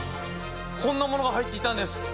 こんなものが入っていたんです！